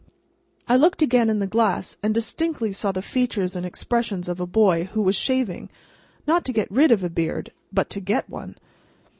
I looked again in the glass, and distinctly saw the features and expression of a boy, who was shaving, not to get rid of a beard, but to get one.